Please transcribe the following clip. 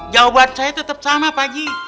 jawaban saya tetep sama pak haji